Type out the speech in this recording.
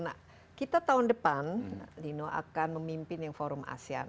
nah kita tahun depan dino akan memimpin yang forum asean